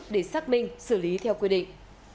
để xác minh xử lý theo quy định